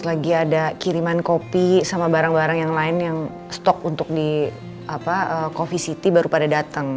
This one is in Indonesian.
lagi ada kiriman kopi sama barang barang yang lain yang stok untuk di coffee city baru pada datang